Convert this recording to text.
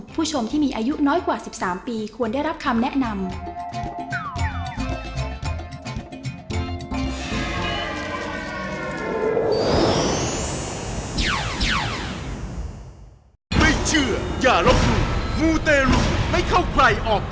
ผู้ชมที่มีอายุน้อยกว่า๑๓ปีควรได้รับคำแนะนำ